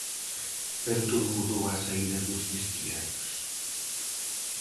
Pero todo mudou á saída dos vestiarios.